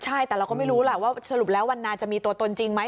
ใช่แต่เราก็ไม่รู้แหละว่าสรุปแล้ววันนาจะมีตัวตนจริงไหม